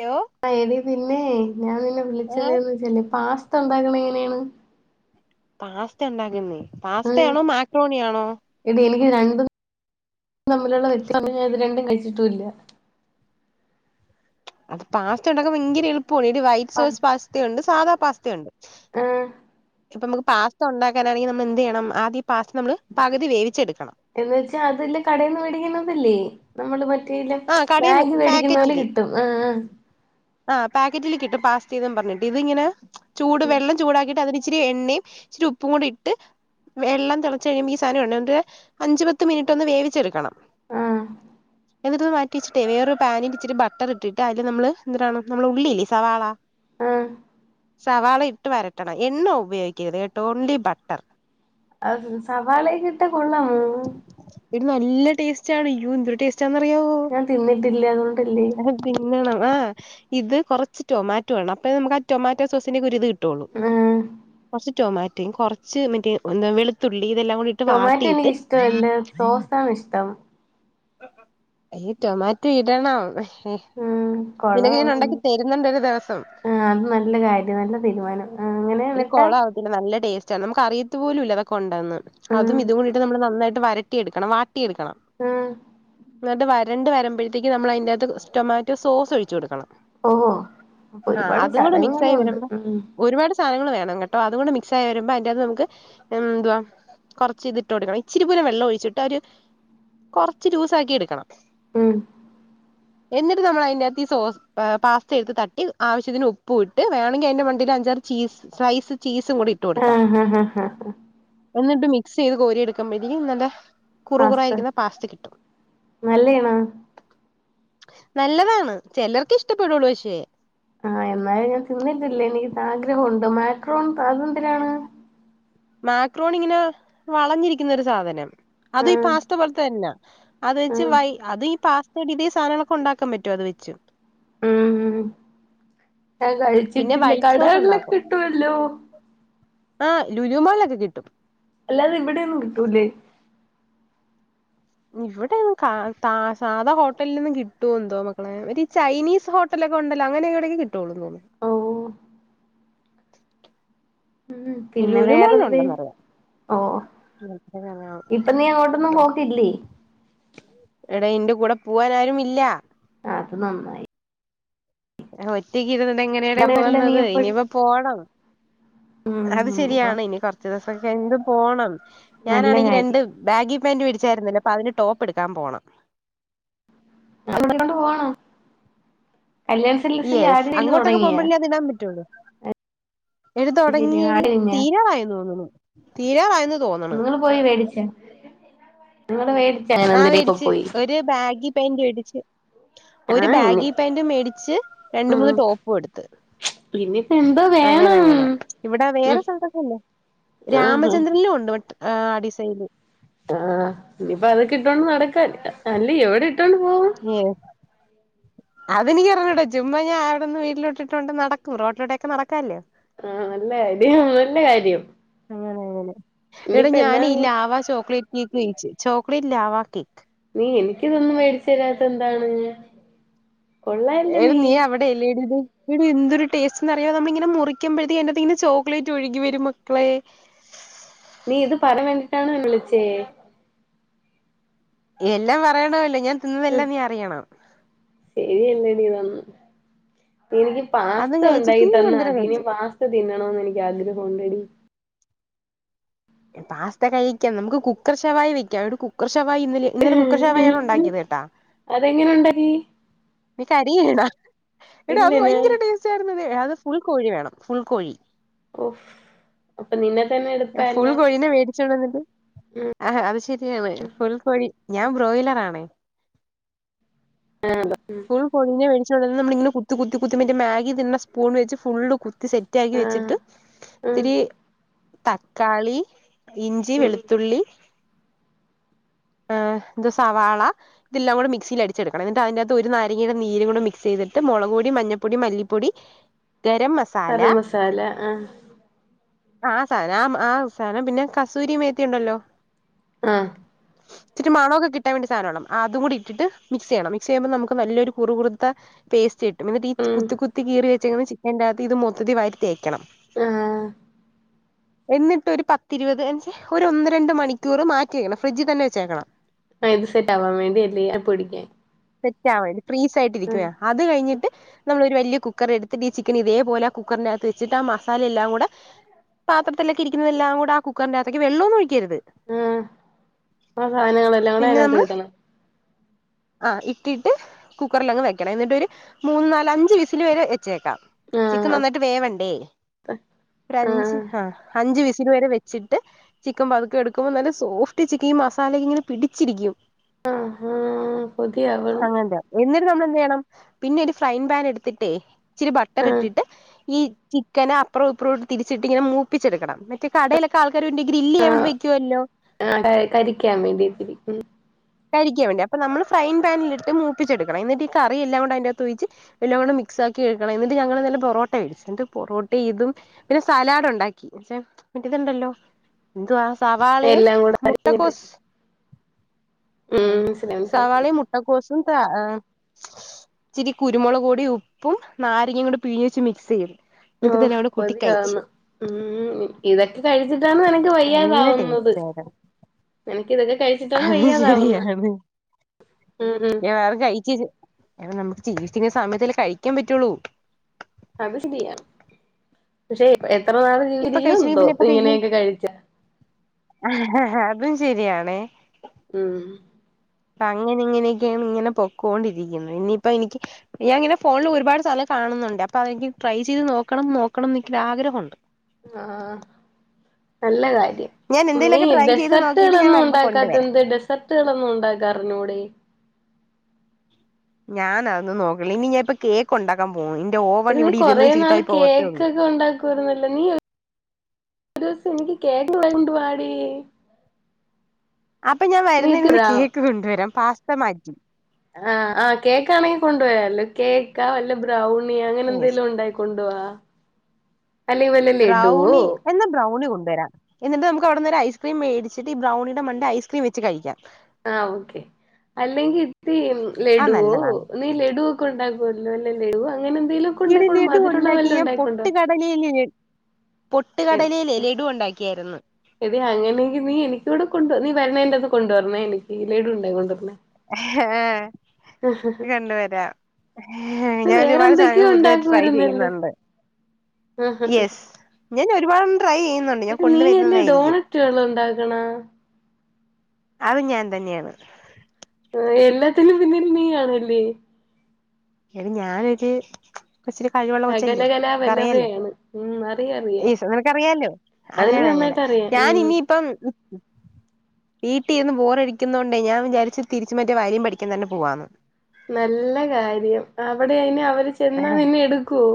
Hello ആ എടി പിന്നേ ഞാൻ നിന്നെ ഏഹ് വിളിച്ചെതെന്തിനാന്വെച്ചാല് പാസ്ത ഇണ്ടാക്ക്ണ്തങ്ങനേണ്? പാസ്ത ഇണ്ടാക്കുന്നെ പാസ്തയാണോ മാക്രോണിയാണോ? എടീ എനിക്ക് രണ്ടും തമ്മില്ള്ള വ്യത്യാസം ത് രണ്ടും കഴിച്ചിട്ടുംല്ല്യ. അത് പാസ്തണ്ടാക്കാൻ ഭയങ്കര എളുപ്പാണ്, ടിവൈ ആ സുസ്പാസ്തയുണ്ട് സാദാ പാസ്തയുണ്ട്. ആ ഇപ്പൊ നമുക്ക് പാസ്ഥ ഉണ്ടാക്കാനാണെങ്കി നമ്മളെന്തെയ്യണം ആദ്യം ഈ പാസ്ത നമ്മള് പകുതി വേവിച്ചെട്ക്കണം. എന്നു വെച്ചാ അതല്ലെ കടേന്ന് വേടിക്ക്ണതല്ലേ. നമ്മള് മറ്റേ ല്ല ആഹ് കടയിന്ന് മാഗ്ഗി മേടിക്കുംന്ന പോലെ പാക്കറ്റില് കിട്ടും ആഹ് ആഹ്. ആഹ് പാക്കറ്റില് കിട്ടും പാസ്തീന്ന് പർഞ്ഞിട്ട് ഇത് ഇങ്ങനെ ചൂട് വെള്ളം ചൂടാക്കിയിട്ട് അതി ഇച്ചിരി എണ്ണേം ഇച്ചിരി ഉപ്പും കൂടിട്ട്. വെള്ളം തെളച്ച് കഴിയുമ്പോ ഈ സാധനം എണ്ണ ട്ട് അഞ്ച്പത്ത് മിൻറ്റൊന്ന് വേവിച്ചെട്ക്കണം. ആഹ്. എന്നിട്ടത് മാറ്റിവെച്ചിട്ടേ വേറൊരു പാനില് ഇിച്ചിരിബട്ടർ ഇട്ടിട്ട് അതില് നമ്മള് എന്താരാണ് നമ്മളെ ഉള്ളില്ലേ സവാള. ആഹ്. സവാളയിട്ട് വരട്ടണം എണ്ണ ഉപയോഗിക്കരുത് കേട്ടോ ഓൺലി ബട്ടർ. ആഹ് സവാളെയെക്കെയിട്ടാ കൊള്ളാമോ? എടി നല്ല ടേസ്റ്റാണ് യ്യോ എന്തൊരു ടേസ് റ്റാന്നറിയാവോ. ഞാ തിന്നിട്ടില്ല അതോണ്ടല്ലേ തിന്നണം ആഹ് ഇത് കൊർച്ച് ടൊമാറ്റോ വേണം അപ്പയെ നമുക്കാ ടൊമാറ്റോ സോസിന്റൊക്കെയൊരിത് കി ട്ടൊളളു, ആ കൊർച്ച് ടൊമാറ്റേം, കൊർച്ച് മറ്റേ ന്താ വെളുത്തുള്ളി ഇതെല്ലാം കൂടിട്ട് വാട്ടിയിട്ട്. ണായിഷ്ടം. എടീ ടൊമാറ്റോയിടണം ഉം നിനക്ക് ഞാനൊണ്ടാക്കി തരുന്നുണ്ടൊരു ദിവസം ആ അത് നല്ല കാര്യം നല്ല തീരുമാനം ആ അങ്ങനെയെന്നിട്ട് പിന്ന നല്ല ടേസ്റ്റ നമുക്കറിയത്ത് പോലുല്ല അതൊക്കെ ഉണ്ടന്ന് ആഹ് അതും ഇതും കൂടിയിട്ട് നമ്മള് നന്നായിട്ട് വരട്ടിയെടുക്കണം വാട്ടി യെടുക്കണം മ് എന്നിട്ട് വരണ്ട് വരുമ്പഴത്തേക്കും നമ്മളയ്ന്റകത്ത് ടൊമാറ്റോ സോസൊഴിച്ചു കൊടുക്കണം ഓഹോ അപ്പൊ ആഹ് ഒരുപാട് അതൂടെ മിക്സായി ചടങ്ങുകളുണ്ട് വരുമ്പോ ഉം ഒരുപാട് സാ ധനങ്ങള് വേണം കേട്ടോ അതും കൂടെ മിക്സായി വരുമ്പോ അയ്ന്റാത്ത് നമക്ക് എന്തുവാ കുറച്ച് ഇത്ട്ട് കൊടുക്കണം ഇച്ചിരി പോരും വെള്ളൊഴിച്ചിട്ട് ഒരു കൊറച്ച് ജൂസാക്കിയെടുക്കണം ഉം എന്നിട്ട് നമ്മളയ്ന്റകത്ത് ഈ സോസ് പാസ്തയെട്ത്ത് തട്ടി ആവശ്യത്തിന് ഉപ്പു ട്ട് വേണെങ്കി അയ്ന്റെ മണ്ടേല് അഞ്ചാറ് ചീസ് സ്ലൈസ് ചീസു കൂടിയിട്ട് കൊടുക്കാ ആഹ് ആഹ് ആഹ് ആഹ് എന്നിട്ട് മിക്സെയ്ത് കോരിയെടുക്കുമ്പോഴ്‌ത്തേക്കിനും നല്ല കുറു പാസ്ത കുറായിരിക്കുന്ന പാസ്ത കിട്ടും നല്ലയാണാ? നല്ലതാണ് ചെലർക്ക് ഇഷ്ടപ്പെടുള്ളൂ പക്ഷേ ആഹ് എന്നാലും ഞാൻ തിന്നിട്ടില്ല എനിക്കാഗ്രഹവുണ്ട് മാക്രോൺ അതെന്തിനാണ്? മാക്രോണിങ്ങനെ വളഞ്ഞിരിക്കുന്നൊരു സാധനം അത് ഈ ആഹ് പാസ്ത പോലത്തന്നെയാ അത് വെച്ച് ആഹ് വൈ അതീ പാസ്തയിട്ടിട്ട് ഈ സധനങ്ങളൊക്കെണ്ടാക്കാൻ പറ്റും അത് വെച്ച് ഇല്ല ഞാൻ പിന്നെ കഴിച്ചിട്ടില്ല വൈറ്റ് സോസ് കടകൾലൊക്കെ കിട്ടുവല്ലോ ആഹ് ലുലു മാളിലൊക്കെ കിട്ടും അല്ലാതെയിവിടെയൊന്നും കിട്ടൂല്ലേ? ഇവിടെയൊന്ന് കാ താ സാദ ഹോട്ടലിലൊന്നു കിട്ടുവൊയെന്തോ മക്കളെ ഒരു ചൈനീസ് ഹോ ട്ടലൊക്കെ ഒണ്ടല്ലോ അങ്ങനെവിടെങ്കി കിട്ടൊള്ളു തോന്നുണ് ഓഹ് ഉം പിന്നെ വേറെന്ത്? ലുലുമാളിലുണ്ടെന്നറിയാം ഓ ഇപ്പൊ നീ അങ്ങോട്ടൊന്നും പോക്കില്ലേ? എട്ടാ ഇന്റെ കൂടെ പോവാനാരുമില്ല ആ അത് നന്നായി ഒറ്റയ്ക്കിരുന്നോണ്ട് എങ്ങനെയാടെ അവിടെയല്ലേ നീ പോവുന്നത് എപ്പോഴും ഇനിയിപ്പ പോണം ഉം അത് ഉം ഇപ്പൊ ശരിയാണ് ഇനി കൊറച്ച് ദിവസൊക്കെ കഴിഞ്ട്ട് പോണം നല്ല ഞാനാണെങ്കി രണ്ട് കാര്യം ബാഗി പാന്റ് വേടിച്ചായിരുന്നല്ലേ? അപ്പ അതിന് ടോപ്പെടുക്കാൻ പോണം വിടെ കൊണ്ട് പോണം കല്യാൺ സിൽക്സിൽ ആടി സെയില് തൊടങ്ങിയോ? അതിടാൻ പറ്റോള്ളു എടീ‌ ശരി തെടങ്ങിയടി ആടെ കഴിഞ്ഞാ തീരാറായന്ന് തോന്നണ് തീരാറായന്ന് തോന്നണ് നിങ്ങള് പോയി മേടിച്ച ആ വേടിച്ച് ഒരു ബാഗി പെന്റ് വേടിച്ച്. ഒരു ആഹ് ഇനി ബാഗി പാന്റും മേടിച്ച് രണ്ട് മൂന്ന് ഉം ടോപ്പും എടുത്ത്. ഇനിയിപ്പോ എന്തോ വേണം അങ്ങനങ്ങനെ ഇവിടെ ഉം വേറെ സൽതൊക്കെല്ലേ ആഹ് രാമചന്ദ്രിലും ഉണ്ട് വട്ട്. ആഹ് ഡിസൈന്. ആഹ് ഇനിയിപ്പോ അതൊക്കെ ഇട്ടോണ്ട് നടക്കാൻ അല്ല എവിടെ ഇട്ടോണ്ട് പോവും ഏഹ് അതെനിക്കർഞ്ഞുട ചുമ്മാ ഞാ അവിടുന്ന് വീട്ടിലോട്ടിട്ടോണ്ട് നടക്ക റോട്ടിലോടൊക്കെ നടക്കാല്ലോ? ആഹ നല്ല കാര്യം നല്ല കാര്യം. അങ്ങനെ അങ്ങനെ എടാ ഇനിയിപ്പോ ഞാൻ ഈ എന്നാണ് ലാവാ ചോക്ലേറ്റ് കേക്ക് കഴിച്ചു ചോക്ലേറ്റ് ലവാ കേക്ക്. നീ എനിക്കിതൊന്നും മേടിച്ച് തരാതെന്താണ്. എല്ലേലു നീ അവിടെ ടെലിടെ എടി എന്തൊരു ടേസ്റ്റ് എന്നറിയ നമ്മളിങ്ങനെ മുറിക്കുമ്പോഴത്തേക്ക് അയ്ന്റത്തിങ്ങനെ ചോക്ലേറ്റ് ഒഴുകിവരും മക്കളെ. നീ ഇത് പറയാൻ വേണ്ടിയിട്ടാണോ എന്നെ വിളിച്ചേ? എല്ലാം പറയണല്ലോ ഞാൻ തിന്നുന്നതെല്ലാം നീ അറിയണം. ശരിയെല്ലടി ഇതൊന്നു എനിക്ക് അതും പാസ്ത കഴിച്ചു ഒണ്ടാക്കി പിന്നെ തന്നു ചന്തര അതിന് കഴിച്ചു പാസ്ത തിന്നണോന്ന് എനിക്ക് ആഗ്രഹം ഒണ്ടെടി. പാസ്ത കഴിക്കാം നമുക്ക് കുക്കർ ഷവായി വെയ്ക്കാം ഒരു കുക്കർ ഷവായി ഇന്നലെ ഇന്നലെ കുക്കർ ഷവായിയാണ് ഉണ്ടാക്കിയത് കേട്ടാ അതെങ്ങനുണ്ടാക്കീ നീ കരിയാരുന്നോ എടീ അത് ഇല്ലന ഭയങ്കര ടേസ്റ്റാരുന്നെടീ അത് ഫുൾ കോഴി വേണം ഫുൾ കോഴി. ഓഹ് അപ്പൊ നിന്നെ തന്നെ എടുക്കാല്ലേ? ആഹ് അത് ശെരിയാവുവേല ഫുൾ കോഴി ഞാൻ ബ്രോയ്ലറാണേ വേദനയുണ്ടോ ഫുൾ കോഴീനെ മേടിച്ചോണ്ട്ന്ന കുത്തി കുത്തി കുത്തി മറ്റേ മാഗി തിന്നണ സ്പൂണ് വെച്ച് ഫുള്ള് കു ത്തി സെറ്റാക്കി ആഹ് വെച്ചിട്ട് ഉം ഇത്തിരി തക്കാളി. ഇഞ്ചി, ഉം വെളുത്തുള്ളി ആഹ് ഇത് സവാള ഇതെല്ലാം കൂടി മിക്സീൽ അടിച്ചെടുക്കണം എന്നിട്ട് അതിന്റെ അകത് ത്തൊരു നാരങ്ങയുടെ നീരും മിക്സ് ചെയ്തിട്ട് മൊളകുപൊടി, മഞ്ഞപ്പൊടി, മല്ലിപ്പൊടി, ഗരംമ കറി മസാല ആഹ് ആഹ് ആ സാധനം ആഹ് ആ സാധനം പിന്നെ കസൂരി മേത്തിയുണ്ടല്ലോ ആഹ് ഇച്ചിരി മണൊക്കെ കിട്ടാൻ വേണ്ടി സാധനടണം അതീം കൂടി ഇട്ടിട്ട് മിക്സ് ചെയ്യണം മിക്സ് ചെയ്യുമ്പോ നമുക്ക് നല്ലൊരു കുറു കുറുത്ത പേസ്റ്റ് കിട്ടും എന്നിട്ടീ ഉം കുത്തികു ത്തി കീറി വെച്ചേക്കുന്ന ചിക്കൻ്റാത്ത് ഇത് മൊത്തത്തി വാരി തേയ്ക്കണം. ആഹ് എന്നിട്ട് ഒരു പത്തിരുപത് അഞ്ച് ഒരു ഒന്ന് രണ്ട് മണിക്കൂറ് മാറ്റിവയ്ക്കണം ഫ്രിഡ്ജിൽ തന്നെ വെച്ചേക്കണം. ആഹ് ഇത് സെറ്റാവാൻ വേണ്ടി അല്ലേ പൊടിക്കാൻ സെറ്റവാൻ ഫ്രീസ് ആയിട്ടിരിക്കുവേ അത് കഴിഞ്ഞിട്ട്. നമ്മളൊരു വലിയ കുക്കറെടുത്തിട്ട് ഈ ചിക്കൻ ഇതേപോലെ ആ കുക്കറിന്റാത്ത് വെച്ചിട്ട് ആ മസാലയെല്ലാം കൂടെ പാത്രത്തിലൊക്കെ ഇരിക്കുന്നതെല്ലാം കൂടെ ആ കുക്കറിന്റാത്തേക്ക് വെള്ളൊന്നും ഒഴിക്കരുത്. ആഹ് ആ സാധനങ്ങളെല്ലാം കൂടെ അതിനാത്തോട്ടിടണം. ആഹ് ഇട്ടിട്ട് കുക്കറിലങ്ങ് വെയ്ക്കണം എന്നിട്ടൊരു മൂന്ന് നാല് അഞ്ച് വിസില് വരെ വെച്ചേക്കാം ചിക്കൻ ആഹ് നന്നായിട്ട് വേവണ്ടേ ഒരഞ്ച് ആഹ് ഹാ അഞ്ച് അഞ്ച് വിസില് വരെ വെച്ചിട്ട്. ചിക്കൻ പതുക്കെ എടുക്കുമ്പൊ നല്ല സോഫ്റ്റ് ചിക്കൻ ഈ മസാല ഇങ്ങനെ പിടിച്ചിരിക്കും. ആഹ് ഹാ അങ്ങനത്തെയാ എന്നിട്ട് നമ്മൾ എന്ത് ചെയ്യണം പിന്നെയൊരു ഫ്രയിംഗ് പാൻ എടുത്തിട്ടേ ഇച്ചിരി ബട്ടർ ആഹ് ഇട്ടിട്ട് ഈ ചിക്കനെ അപ്പുറോം ഇപ്പറോം ഇട്ട് തിരിച്ചിട്ട് ഇങ്ങനെ മൂപ്പിച്ചെടുക്കണം ഈ കടേലൊക്കെ ആൾക്കാരൊണ്ട് ഈ ഗ്രില്ല് ചെയ്യാൻ വേണ്ടി ആഹ് വെയ്ക്കുവല്ലോ ആഹ് കരി കരിക്കാൻ വേണ്ടീട്ട് ഉം കരിക്കാ വേണ്ടിയെ അപ്പം നമ്മള് ഫ്രയിംഗ് പാനിലിട്ട് മൂപ്പിച്ചെടുക്കണം എന്നിട്ട് ഈ കറിയെല്ലാം കൂട് അതിന്റാത്തൊഴിച്ച് എല്ലാം കൂടെ മിക്സാക്കി എടുക്കണം എന്നിട്ട് ഞങ്ങളിന്നലെ പൊറോട്ട മേടിച്ചു ഇന്നിട്ട് പൊറോട്ടേം ഇതും പിന്നെ സലാഡൊണ്ടാക്കി പക്ഷെ മറ്റെ ഇതൊണ്ടല്ലോ എന്തുവാണ് സവാളയും എല്ലാം കൂടെ അരിഞ്ഞിട്ട് മുട്ടക്കോസ് ഉം ആഹ് മനസ്സിലായി മനസ്സിലായി സവാളയും മുട്ടക്കോസും ത ആഹ് ഇച്ചിരി കുരുമുളക്പൊടിയും ഉപ്പും നാരങ്ങയും കൂടി പിഴിഞ്ഞേച്ച് മിക്സ് ചെയ്തു ഓഹ് എന്നിട്ടിതെല്ലാ കൂട്ടി കഴിച്ചു കൊതിയാവുന്നു ഉം ഇതൊക്കെ കഴിച്ചിട്ടാണ് നിനക്ക് നല്ല വയ്യാതാവുന്നത് ടേസ്റ്റ് ആയിരുന്നു നിനക്കിതൊക്കെ കഴിച്ചിട്ടാണ് വയ്യ ശെരിയാണ് ഉം വേറെ കഴിച്ച അങ്ങനെ നമുക്ക് ജീവിച്ചിരിക്കുന്ന സമയത്തല്ലേ കഴിക്കാൻ പറ്റുവൊള്ളൂ അത് ശെരിയാ പക്ഷെ എത്ര നാള് ഇപ്പൊ ജീവിച്ചിരിക്കുവോ കഴിച്ചില്ലെങ്കിൽ എന്തോ പിന്നെ ഇങ്ങനെയൊക്കെ കഴിച്ചാ ആഹ് അതും ശെരിയാണേ ഉം അപ്പൊ അങ്ങനിങ്ങനെയൊക്കെയാണ് ഇങ്ങനെ പൊക്കോണ്ടിരിക്കുന്നെ ഇനിയിപ്പൊ എനിക്ക് ഞാനിങ്ങനെ ഫോണില് ഒരുപാട് സാധനങ്ങള് കാണുന്നുണ്ട് അപ്പൊ അതെനിക്ക് ട്രൈ ചെയ്ത് നോക്കണം നോക്കണം ന്നെനിക്ക് ഒരാഗ്രഹവൊണ്ട് ആഹ് നല്ല കാര്യം ഞാൻ നീ എന്തേലുമൊക്കെ ട്രൈ ചെയ്ത് നോക്കിയിട്ട് ഞാൻ ഡെസർട്ടുകളൊന്നും വരുമ്പോ കൊണ്ടുവരാം ഉണ്ടാക്കാത്തതെന്ത് ഡെസർട്ടുകളൊന്നും ഉണ്ടാക്കാ അറിഞ്ഞൂടെ ഞാൻ അതൊന്നു നോക്കില്ല ഇനി ഞാൻ ഇപ്പ കേക്ക് ഉണ്ടാക്കാൻ പോവ ഇന്റെ എടി ഓവൻ നീ ഇവിടെ കൊറേ ഇരുന്ന് നാള് ചീത്തായി പോവത്തേ ഉള്ളൂ കേക്കൊക്കെ [unintelligible] നീ ദിവസം എനിക്ക് കേക്ക് കൊണ്ട് വാടീ അപ്പൊ ഞാൻ നീ വരുന്നതിനിന്ന് തരാവോ കേക്ക് കൊണ്ടുവരാം പാസ്ത മാറ്റി ആഹ് ആഹ് കേക്കാണെങ്കിൽ കൊണ്ടു വരാല്ലോ കേക്കാ വല്ല ബ്രൗൺ ണ്ണി അങ്ങനെ യെസ് എന്തെലും ഉണ്ടാക്കി കൊണ്ട് വാ ബ്രൗണി എന്നാ ബ്രൗണി കൊണ്ടുവരാ എന്നിട്ട നമുക്ക് അവട്ന്ന് ഒരു ഐസ്ക്രീം മേടിച്ചിട്ട് ഇ ബ്രൗണിയുടെ മണ്ടെ ഐസ്ക്രീം വെച്ച് കഴിക്കാ ആഹ് ഓക്കെ അല്ലെങ്കിൽ [unintelligible] അത് ലഡുവോ നല്ലതാണ് നീ ലഡുവൊക്കെണ്ടാക്കുവല്ലോ വല്ല ലഡു വോ അങ്ങനെന്തലു ഒക്കെ ഉണ്ടാക്കോണ്ടോ മധുരള്ള വല്ല ഉണ്ടാക്കോണ്ടുവാ [unintelligible] പൊട്ട് കടലയില് ലഡു ഉണ്ടാക്കിയായിര്ന്നു എടീ അങ്ങനെങ്കി നീ എനിക്കൂടെ കൊണ്ട് വാ നീ വര്ണേന്റെ അന്ന് കൊണ്ടുവര്ണേ എനിക്ക് ലഡും ഉണ്ടായി കൊണ്ടുവര്ണേ ഹേ കൊണ്ടുവരാം നീ ഞാൻ വേറെ ഒരുപാട് എന്തൊക്കെയോ സാധനം പുതുതായിട്ട് ട്രൈ ഉണ്ടാക്കുവായിരുന്നല്ലോ ചെയ്യുന്നുണ്ട് യെസ് [inaudible] ഞാൻ ഒരുപാട് ട്രൈയ് ചെയ്യുന്നുണ്ട് ഞാൻ നീയല്ലേ കൊണ്ടുവരുന്നതായിരിക്കും ഡോണറ്റുകള് ഉണ്ടാക്കണെ അത് ഞാൻ തന്നെയാണ് ആഹ് എല്ലാത്തിനും പിന്നിൽ നീ ആണല്ലേ [unintelligible] കൊച്ചിരി കഴിവുള്ള കൊച്ചല്ലേ ക്കറിയാല്ലേ സകലകലാവല്ലഭയാണ് ഉം അറിയാം ഈ അറിയാം നിനക്കറിയാലോ അങ്ങനെ അതെനിക്ക് അങ്ങനെ നന്നായിട്ട് അറിയാം ഞാൻ ഉം ഇനിയിപ്പം വീട്ടിരുന്ന് ബോറടിക്കുന്നോണ്ടേ ഞാൻ വിചാരിച്ച് തിരിച്ച് മറ്റേ വയലിൻ പഠിക്കാൻ തന്നെ പോവാന്ന് നല്ല കാര്യം അവിടെ അയിന് അവര് ചെന്നാ നിന്നെ എടുക്കുവോ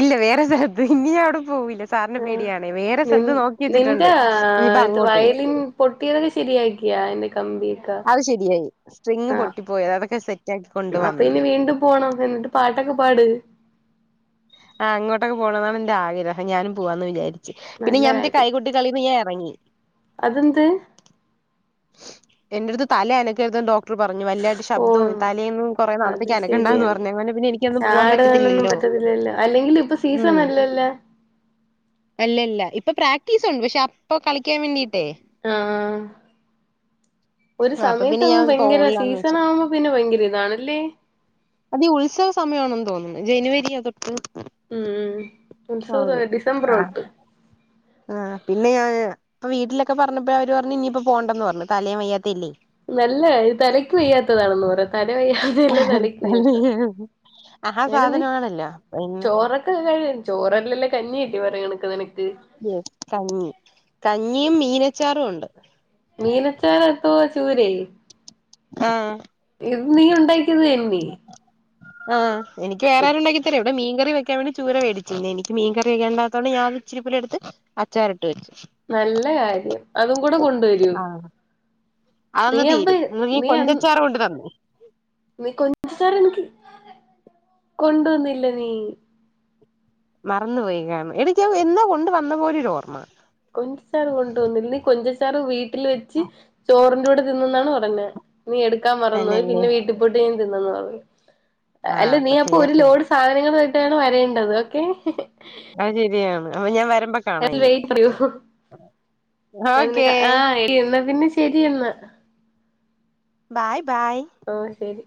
ഇല്ല വേറെ സ്ഥലത്ത് ഇനി ഞൻ അവിടെ പോവൂല്ല സാറിന് ആ പേടിയാണ് വേറെ നി സ്ഥലത്ത് നോക്കി നിന്റെ വച്ചിട്ടുണ്ട് ഇനിയിപ്പ ആ, ഇത് അങ്ങോട്ട് പോവും വയലിൻ പൊട്ടിയതൊക്കെ ശരിയക്കിയോ അയ്ന്റെ കമ്പി അത് ശരിയായി സ്ട്രിങ്ങ് പൊട്ടിപ്പോയത് അതൊക്കെ സെറ്റാക്കി കൊണ്ട് അപ്പൊ വന്നു ഇനി വീണ്ടും പോണം എന്നിട്ട് പാട്ടൊക്കെ പാട് ആഹ് അങ്ങോട്ടൊക്കെ പോണതാണ് എന്റെ ആഗ്രഹം ഞാനും പോവാന്ന് വിചാരിച്ചു പിന്നെ നല്ല മറ്റെ കാര്യം കൈകുട്ടി കളിന്ന് ഞാൻ എറങ്ങി അതെന്ത് എന്റെ അടുത്ത് തല അനക്കരുത് ന്ന് ഡോ പറഞ്ഞു വല്ല ഓ ശബ്ദവും തലേന്നും കൊറേ അത് നാളത്തേക്കാനങ്ങണ്ടന്ന് ശരിയാണ് പറഞ്ഞു അങ്ങനെ പിന്നെ എനിക്കന്ന് പോവാൻ പറ്റത്തില്ലല്ലോ [unintelligible] അല്ലെങ്കിലും ഇപ്പൊ സീസൺ അല്ലല്ലാ അല്ലല്ല ഇപ്പൊ പ്രാക്ടീസ് ഉണ്ട് പക്ഷെ അപ്പൊ കളിക്കാൻ വേണ്ടിട്ടേ ആഹ് ഒരു അപ്പൊ പിന്നെ സമയത്തങ്ങ് ഞാൻ ഭയങ്കര പോണില്ലാന്ന് സീസൺ വെച്ചു ആവുമ്പോ പിന്നെ ഭയങ്കര ഇതാണ്ല്ലേ അത് ഉത്സവ സമയ ആണെന്ന് തോന്നുന്നു ജനുവരി അ തൊട്ട് ഉം ഉത്സവ [unintelligible] ഡിസംബർ ആഹ് തൊട്ട് ആഹ് പിന്നെ ഞാൻ ഇപ്പൊ വീട്ടിലൊക്കെ പറഞ്ഞപ്പോ അവര് പറഞ്ഞു ഇനിയിപ്പോ പോണ്ടന്ന് പറഞ്ഞു തലേയും വയ്യാത്തെല്ലേ നല്ല ഇത് തലയ്ക്ക് വയ്യാത്തതാണെന്ന് പറയാ തല വയ്യാ [unintelligible] ആ അങ്ങനെ നീ സാധനമാണല്ലോ പിന്നെ ചോറ കഴിയ ചോറല്ലല്ല കഞ്ഞി അല്ലെ പറയ്ണേട്ടത് [unintelligible] കഞ്ഞി കഞ്ഞിയും മീനച്ചാറും ഉണ്ട് മീനച്ചാര എത്ത ചൂരേ ആഹ് ഇത് നീ ഉണ്ടാക്കിയത് അല്ലേ ആഹ് എനിക്ക് വേറെ ആരുണ്ടാക്കി തരും ഇവ്ടെ മീൻറി വെക്കൻ വേണ്ട ചരേടിച്ചിേ എനി മീൻറി വെേണ്ടാത്തോ ഞൻ ഇച്ചിരിപ്പൂ എടുത്ത് അച്ചാറീട്ട് വെച്ചു നല്ല കാര്യം അതും കൂടെ കൊണ്ടുവരു അതന്ന് തീരും ഇ കൊഞ്ചച്ചാറ് കൊണ്ട് തന്നു നീ കൊഞ്ചസരം എനിക്ക് കൊണ്ടുവന്നില്ല നീ മറന്നു പോയികാണ് എടിക്ക എന്നാ കൊണ്ട വന്ന പോലൊരു ഓർമ്മ കൊഞ്ചച്ചാറ് കൊണ്ട പോോന്ന നീ കൊഞ്ചച്ചാറ് വീട്ടിൽ വെച്ച് ചോറിന്റെറെ കൂടെ തിന്നന്നാണ് പറഞ്ഞ നീ എടുക്കാൻ മറന്നു തന്നെയല്ലേ പിന്നെ വീട്ടിൽപൊട്ട് നീൻ തിന്നന്ന് പറഞ്ഞു ആഹ് അല്ല നീ അപ്പൊ ഒരു തീർന്ന് കാണും. ലോഡ് സാധനങ്ങളായിട്ടാണ് വരേണ്ടത് ഓക്കെ അത് ശരിയാണ് അപ്പൊ ഞാൻ വരുമ്പോ കാണാ അതിൽ ഇനി ഞ ഓക്കേ ആ എന്ന പിന്നെ ശരി എന്ന ബായ് ബൈ ഓഹ് ശരി